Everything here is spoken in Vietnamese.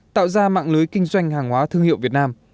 tạo ra mạng lưới kinh doanh hàng hóa thương hiệu việt nam